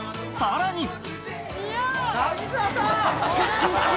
［さらに！］